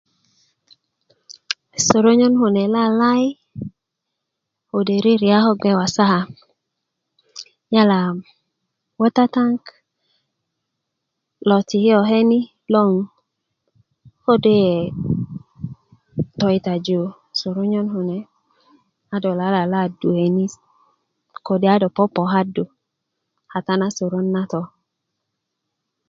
soronyon kune lalai kode ririya ko bge wasaka yala water tank lo ti' loke ni loŋ ko do ke tokitaju soronyon kune a do lalaladu kenisi kode a do popokadu kata na soron to